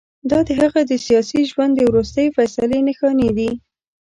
دا د هغه د سیاسي ژوند د وروستۍ فیصلې نښانې دي.